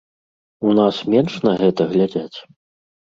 У нас менш на гэта глядзяць?